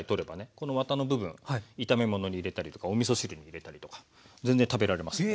このワタの部分炒め物に入れたりとかおみそ汁に入れたりとか全然食べられますのでね。